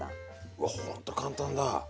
うわほんと簡単だ。